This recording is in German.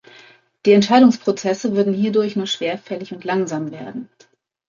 Die Entscheidungsprozesse würden hierdurch nur schwerfällig und langsam werden.